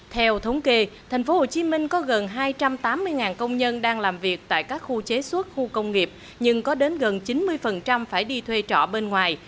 theo thống kê thành phố hồ chí minh có gần hai trăm tám mươi công nhân đang làm việc tại các khu chế suốt khu công nghiệp nhưng có đến gần chín mươi phải đi thuê trọ bên ngoài